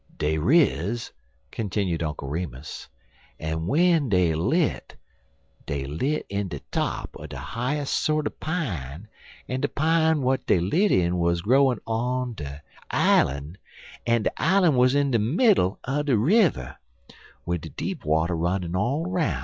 "Dey riz," continued Uncle Remus, "en w'en dey lit, dey lit in de top er de highest sorter pine, en de pine w'at dey lit in wuz growin' on er ilun, en de ilun wuz in de middle er de river, wid de deep water runnin' all 'roun'.